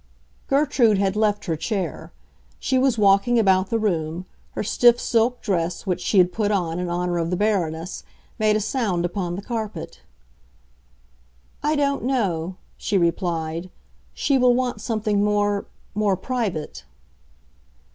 Gertrude had left her chair; she was walking about the room; her stiff silk dress, which she had put on in honor of the Baroness, made a sound upon the carpet. "I don't know," she replied. "She will want something more—more private."